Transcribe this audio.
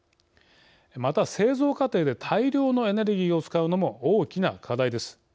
また製造過程で大量のエネルギーを使うのも大きな課題です。